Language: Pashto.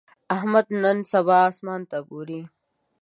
احمد نن سبا اسمان ته ګوري.